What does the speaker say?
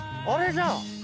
あれじゃん。